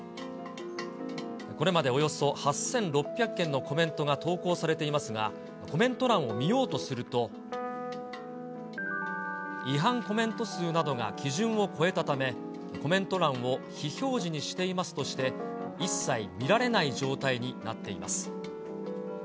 これまでおよそ８６００件のコメントが投稿されていますが、コメント欄を見ようとすると、違反コメント数などが基準を超えたため、コメント欄を非表示にしていますとして、一切、見られない状態になっています。